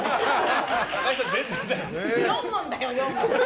４問だよ、４問。